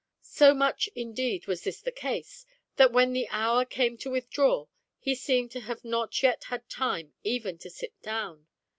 So much, indeed, was this SECOND 'DAY: TALE XVI. 185 the case, that when the hour came to withdraw he seemed to have not yet had time even to sit down.